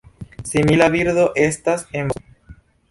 Simila bildo estas en vosto.